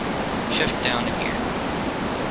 Shift down a gear.